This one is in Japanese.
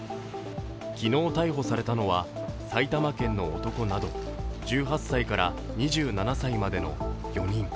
昨日逮捕されたのは、埼玉県の男など１８歳から２７歳までの４人。